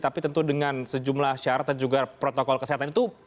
tapi tentu dengan sejumlah syarat dan juga protokol kesehatan itu